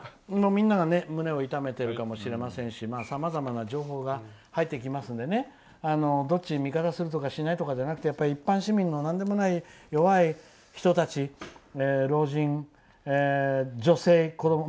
みんなが胸を痛めているかもしれませんしさまざまな情報が入ってきますのでどっちに味方するとかしないとかじゃなくて一般市民の弱い人たち、老人、女性、子ども。